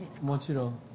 もちろん。